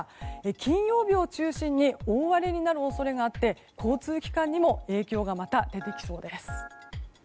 金曜日を中心に大荒れになる恐れがあって交通機関にも影響がまた出てきそうです。